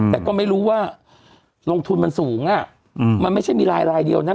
แต่ก็ไม่รู้ว่าลงทุนมันสูงอ่ะมันไม่ใช่มีรายเดียวนะ